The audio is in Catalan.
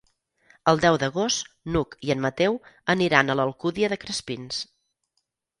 El deu d'agost n'Hug i en Mateu aniran a l'Alcúdia de Crespins.